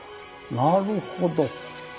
なるほど。